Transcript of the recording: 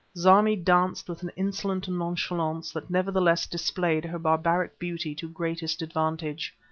Zarmi danced with an insolent nonchalance that nevertheless displayed her barbaric beauty to greatest advantage.